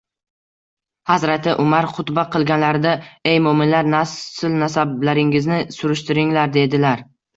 Hazrati Umar xutba qilganlarida: «Ey mo‘minlar, nasl-nasablaringizni surishtiringlar», dedilar